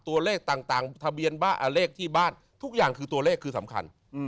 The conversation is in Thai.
ตัวเลขต่างทะเบียนเลขที่บ้านทุกอย่างคือตัวเลขคือสำคัญ